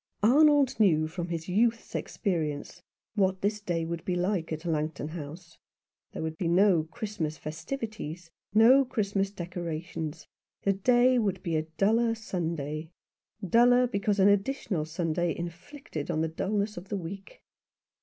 Arnold knew from his youth's experience what 65 F Rough Justice. this day would be like at Langton House. There would be no Christmas festivities, no Christmas decorations. The day would be a duller Sunday — duller because an additional Sunday inflicted on the dulness of the week.